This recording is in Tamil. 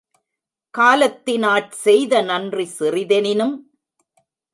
காலத்தி னாற்செய்த நன்றி சிறிதெனினும்